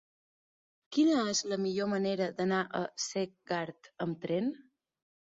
Quina és la millor manera d'anar a Segart amb tren?